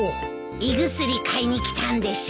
胃薬買いに来たんでしょう。